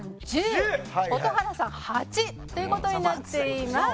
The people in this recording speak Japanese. １０蛍原さん８という事になっています。